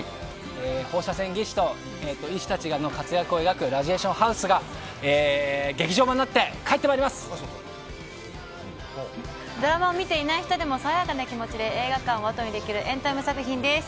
放射線技師と医師たちの活躍を描く「ラジエーションハウス」が劇場版になってドラマを見ていない人でも爽やかな気持ちで映画館をあとにできるエンタメ作品です。